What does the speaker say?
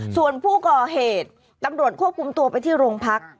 ส่วนผู้ก่อเหตุตำรวจควบคุมตัวไปที่โรงพัก